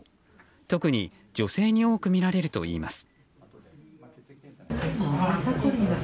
特に女性に多く見られるといいます。